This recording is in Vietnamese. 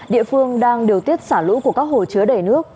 địa phương đang điều tiết xả lũ của các hồ chứa đầy nước